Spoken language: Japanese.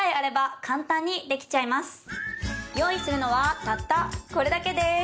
用意するのはたったこれだけです。